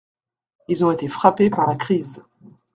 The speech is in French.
Ils ont été frappés par la crise.